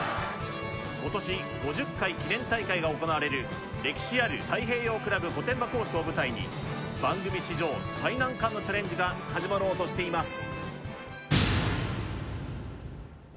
今年５０回記念大会が行われる歴史ある太平洋クラブ御殿場コースに番組史上最難関のチャレンジが始まろうとしています。